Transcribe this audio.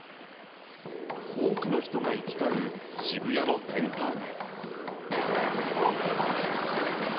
多くの人が行き交う渋谷のセンター街。